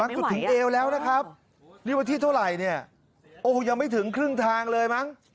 บางเวลาถึงเอวแล้วนะครับนี่วันนี้ที่เท่าไหร่ไม่ถึงครึ่งทาง